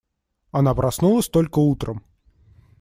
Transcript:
Она проснулась только утром.